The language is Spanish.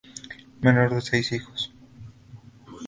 Menor de seis hijos.